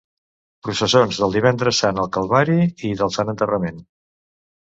Processons del Divendres Sant al Calvari i del Sant Enterrament.